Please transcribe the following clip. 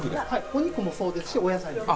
お肉もそうですしお野菜も。